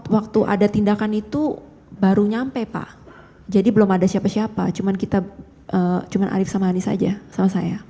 waktu ada tindakan itu baru nyampe pak jadi belum ada siapa siapa cuman arief sama hani saja sama saya